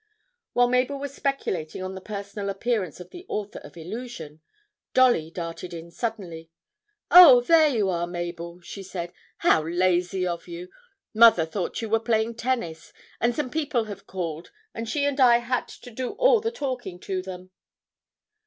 While Mabel was speculating on the personal appearance of the author of 'Illusion,' Dolly darted in suddenly. 'Oh, there you are, Mabel,' she said, 'how lazy of you! Mother thought you were playing tennis, and some people have called, and she and I had to do all the talking to them!'